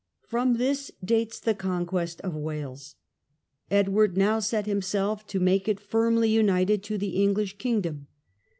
From this dates the conquest of Wales. Edward now set himself to make it firmly united to the English kingdom.